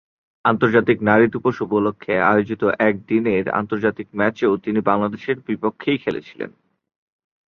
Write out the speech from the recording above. আন্তর্জাতিক নারী দিবস উপলক্ষে আয়োজিত একদিনের আন্তর্জাতিক ম্যাচেও তিনি বাংলাদেশের বিপক্ষেই খেলেছিলেন।